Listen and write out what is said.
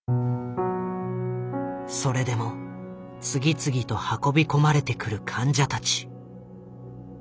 それでも次々と運び込まれてくる患者たち。